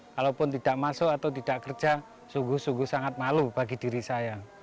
kalaupun tidak masuk atau tidak kerja sungguh sungguh sangat malu bagi diri saya